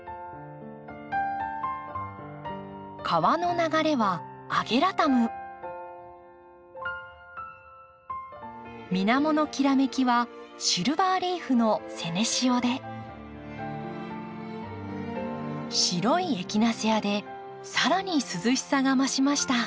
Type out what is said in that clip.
川の流れは水面のきらめきはシルバーリーフの白いエキナセアで更に涼しさが増しました。